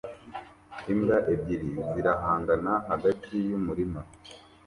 Imbwa ebyiri zirahangana hagati yumurima